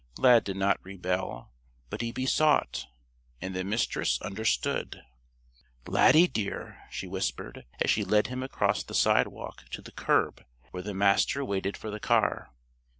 Lad did not rebel. But he besought. And the Mistress understood. "Laddie, dear!" she whispered, as she led him across the sidewalk to the curb where the Master waited for the car.